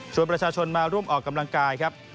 ส่วนประชาชนมาร่วมออกกำลังกายครับ